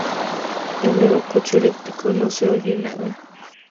El nuevo coche eléctrico no se oye nada